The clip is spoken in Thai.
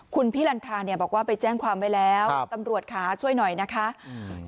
คุณพี่ลันทราเนี่ยบอกว่าไปแจ้งความไว้แล้วครับตำรวจค่ะช่วยหน่อยนะคะอืม